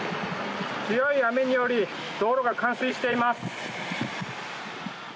強い雨により道路が冠水しています。